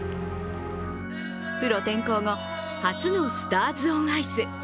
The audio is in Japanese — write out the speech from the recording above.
プロ転向後、初のスターズ・オン・アイス。